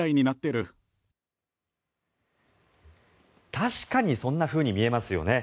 確かにそんなふうに見えますよね。